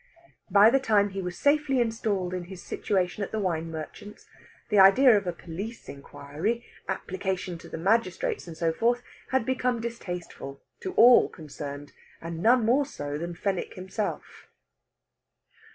By the time he was safely installed in his situation at the wine merchant's, the idea of a police inquiry, application to the magistrates, and so forth, had become distasteful to all concerned, and to none more so than Fenwick himself.